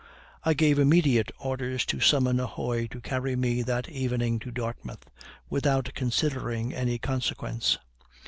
I gave immediate orders to summon a hoy to carry me that evening to Dartmouth, without considering any consequence.